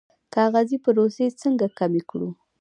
کاغذي پروسې څنګه کمې کړو؟